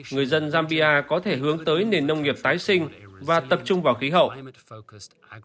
người dân zambia có thể hướng tới nền nông nghiệp tái sinh và tập trung vào khí hậu